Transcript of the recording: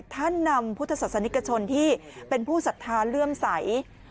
ท่านนำพุทธศาสนิกชนที่เป็นผู้ศรัทธาเลื่อมใส